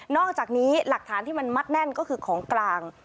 อกจากนี้หลักฐานที่มันมัดแน่นก็คือของกลาง